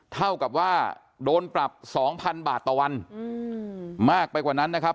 เท่ากับว่าโดนปรับ๒๐๐๐บาทต่อวันมากไปกว่านั้นนะครับ